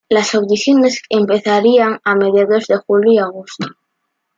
Las audiciones empezarían a mediados de julio y agosto.